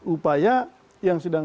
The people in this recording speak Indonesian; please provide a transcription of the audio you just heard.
upaya yang sedang